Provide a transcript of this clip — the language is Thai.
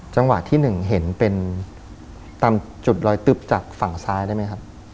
จังหวะที่๑เห็นเป็นตามจุดลอยตึ๊บจากฝั่งซ้ายได้ไหมครับ